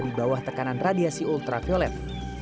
di bawah tekanan radiasi ultraviolet